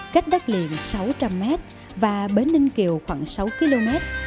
cách đất liền sáu trăm linh m và bến ninh kiều khoảng sáu km